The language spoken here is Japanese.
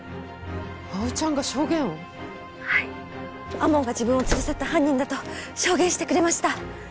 天羽が自分を連れ去った犯人だと証言してくれました。